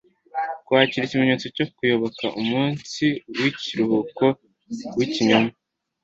kwakira ikimenyetso cyo kuyoboka umunsi wikiruhuko wikinyoma